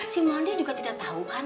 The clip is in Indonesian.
si mondi juga tidak tau kan